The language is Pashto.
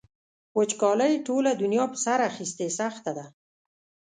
وچکالۍ ټوله دنیا په سر اخیستې سخته ده.